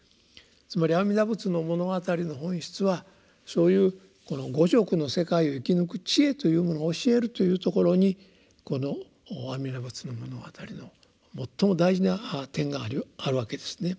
つまり「阿弥陀仏の物語」の本質はそういう五濁の世界を生き抜く智慧というものを教えるというところにこの「阿弥陀仏の物語」の最も大事な点があるわけですね。